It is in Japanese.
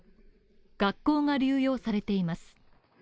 学校が流用されています。